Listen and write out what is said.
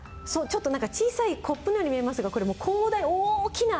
ちょっとなんか小さいコップのように見えますがこれもう広大大きな。